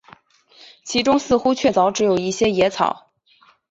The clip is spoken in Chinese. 其中似乎确凿只有一些野草